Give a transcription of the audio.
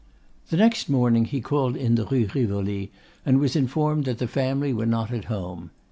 The next morning he called in the Rue Rivoli, and was informed that the family were not at home.